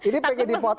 ini pengen dipotong